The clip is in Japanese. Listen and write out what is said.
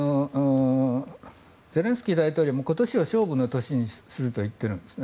ゼレンスキー大統領今年を勝負の年にすると言ってるんですね。